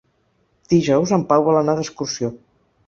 Dijous en Pau vol anar d'excursió.